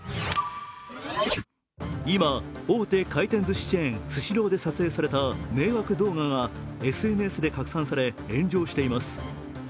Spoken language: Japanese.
今、大手回転ずしチェーンスシローで撮影された迷惑動画がＳＮＳで拡散され、炎上しています。